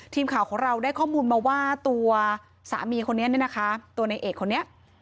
ทีมข่าวของเราได้ข้อมูลมาว่าตัวสามีคนนี้เนี่ยนะคะตัวในเอกคนนี้